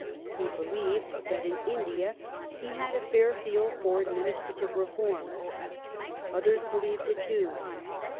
He believed that in India he had a fair field for administrative reforai. Others be lieved it too.